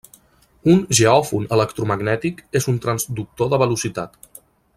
Un geòfon electromagnètic és un transductor de velocitat.